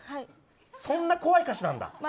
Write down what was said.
そんな怖い歌詞なんだ。